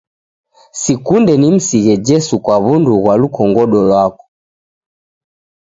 Sikunde nimsighe Jesu kwa w'undu ghwa lukungodo lwako